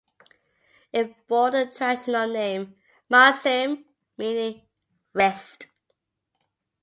It bore the traditional name "Maasym", meaning "wrist".